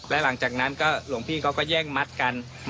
และหลังจากนั้นก็หลวงพี่เขาก็แย่งมัดกัน